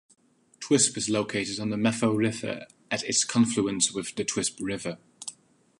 Twisp is located on the Methow River at its confluence with the Twisp River.